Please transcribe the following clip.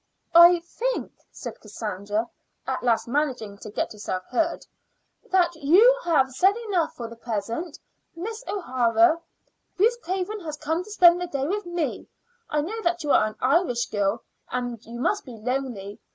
"I think," said Cassandra, at last managing to get herself heard, "that you have said enough for the present, Miss O'Hara. Ruth Craven has come to spend the day with me. I know that you are an Irish girl, and you must be lonely.